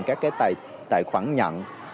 các cái tài khoản nhận